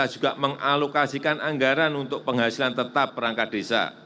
juga mengalokasikan anggaran untuk penghasilan tetap perangkat desa